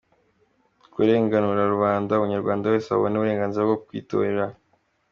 kurenganura Rubanda; Umunyarwanda wese abone uburenganzira bwo kwitorera